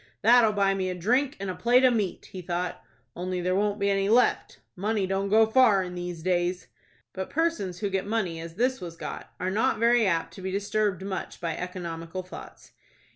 "That'll buy me a drink and a plate of meat," he thought; "only there won't be any left. Money don't go far in these days." But persons who get money as this was got, are not very apt to be disturbed much by economical thoughts.